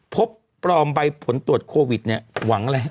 พบปลอมใบผลตรวจโควิดเนี่ยหวังอะไรฮะ